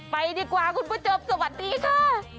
ไปดีกว่าคุณพจบสวัสดีค่ะ